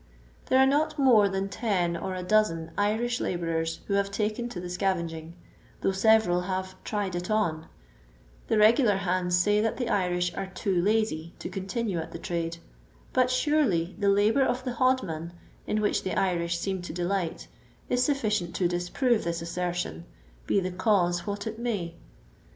There are not more than ten or a dozen Irish labourers who have taken to the scavaging, though several have " tried it on ;" the regular hands say that the Irish are too lazy to continue at the trade; but surely tlie labour of the hodman, in which the Irish seem to delight, is sufficient to disprove this assertion, be the cause what it may.